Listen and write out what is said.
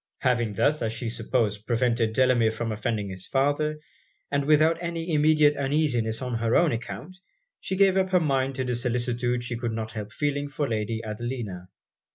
Having thus, as she supposed, prevented Delamere from offending his father, and without any immediate uneasiness on her own account, she gave up her mind to the solicitude she could not help feeling for Lady Adelina.